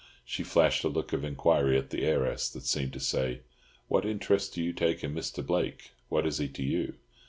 She flashed a look of enquiry at the heiress that seemed to say, "What interest do you take in Mr. Blake? What is he to you?"